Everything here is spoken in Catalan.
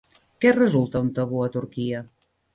Què resulta un tabú a Turquia?